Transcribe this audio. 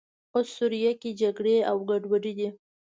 اوس سوریه کې جګړې او ګډوډۍ دي.